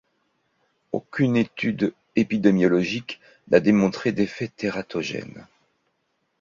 Aucune étude épidémiologique n’a démontré d’effet tératogène.